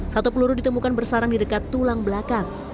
satu peluru ditemukan bersarang di dekat tulang belakang